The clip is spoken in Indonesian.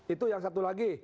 itu yang satu lagi